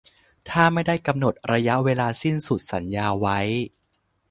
ถ้าไม่ได้กำหนดระยะเวลาสิ้นสุดสัญญาไว้